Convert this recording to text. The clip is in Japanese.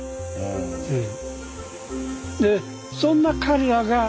うん。